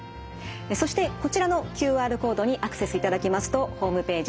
そしてこちらのＱＲコードにアクセスいただきますとホームページ